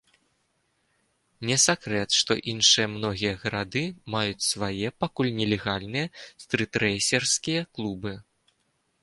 Не сакрэт, што іншыя многія гарады маюць свае, пакуль нелегальныя, стрытрэйсерскія клубы.